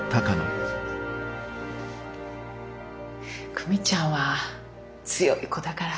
久美ちゃんは強い子だから。